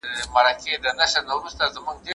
هغه به خپل ځان نه پیژني.